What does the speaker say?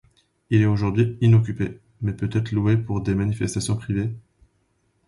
Il est aujourd'hui inoccupé, mais peut être loué pour des manifestations privées.